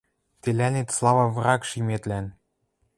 Тӹлӓнет слава враг шиметлӓн